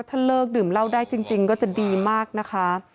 ถ้าเลิกดื่มเหล้าได้จริงก็จะดีมากนะคะ